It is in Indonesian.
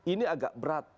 ini agak berat